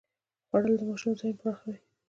خوړل د ماشوم ذهن پراخوي